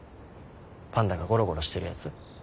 パンダがゴロゴロしてるやつ。